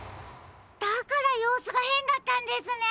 だからようすがへんだったんですね！